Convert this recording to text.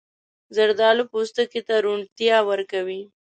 زردالو پوستکي ته روڼتیا ورکوي.